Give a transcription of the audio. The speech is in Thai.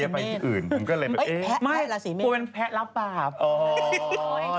มีอื่นพูดว่าแพ้รับบาป